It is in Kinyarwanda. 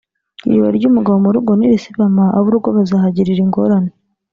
Iriba ry’umugabo mu rugo nirisibama ab’urugo bazahagirira ingorane